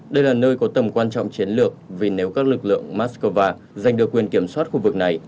đây là nơi có tầm quan trọng chiến lược vì nếu các lực lượng moscow giành được quyền kiểm soát khu vực này